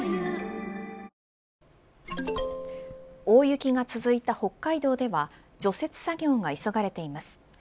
大雪が続いた北海道では除雪作業が急がれています。